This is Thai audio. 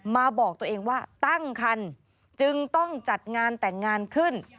บอกตัวเองว่าตั้งคันจึงต้องจัดงานแต่งงานขึ้น